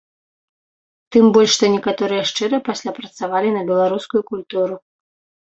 Тым больш, што некаторыя шчыра пасля працавалі на беларускую культуру.